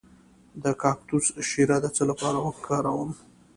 د کاکتوس شیره د څه لپاره وکاروم؟